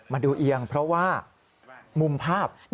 มันดูเอียงเพราะว่ามุมภาพ